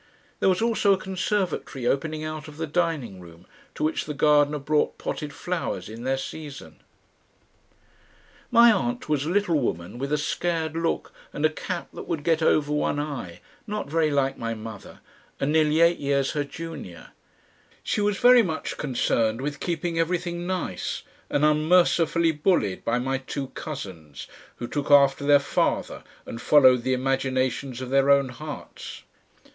There was also a conservatory opening out of the dining room, to which the gardener brought potted flowers in their season.... My aunt was a little woman with a scared look and a cap that would get over one eye, not very like my mother, and nearly eight years her junior; she was very much concerned with keeping everything nice, and unmercifully bullied by my two cousins, who took after their father and followed the imaginations of their own hearts.